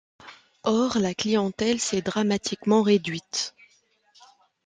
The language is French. Or, la clientèle s'est dramatiquement réduite.